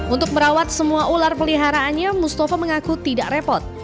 untuk merawat semua ular peliharaannya mustafa mengaku tidak repot